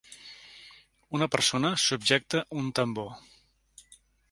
Una persona subjecte un tambor.